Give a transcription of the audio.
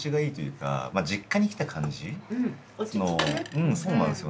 うんそうなんですよ